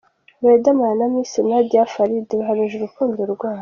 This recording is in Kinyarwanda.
Riderman na Miss Nadia Farid bahamije urukundo rwabo.